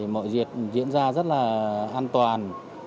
mọi việc diễn ra rất là an toàn